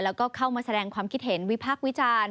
แล้วก็เข้ามาแสดงความคิดเห็นวิพากษ์วิจารณ์